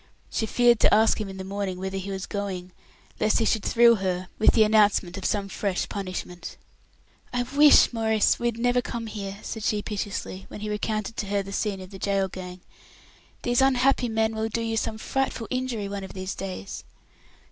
She feared to ask him in the morning whither he was going, lest he should thrill her with the announcement of some fresh punishment. "I wish, Maurice, we had never come here," said she, piteously, when he recounted to her the scene of the gaol gang. "These unhappy men will do you some frightful injury one of these days."